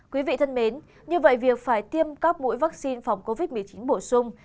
quý vị thân mến như vậy việc phải tiêm các mũi vaccine phòng covid một mươi chín bổ sung